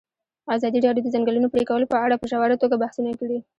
ازادي راډیو د د ځنګلونو پرېکول په اړه په ژوره توګه بحثونه کړي.